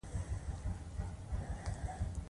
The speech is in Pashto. لاس ته يې اوبه رااچولې.